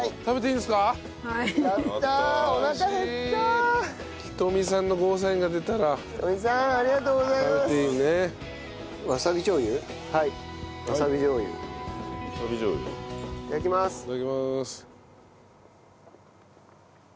いただきます！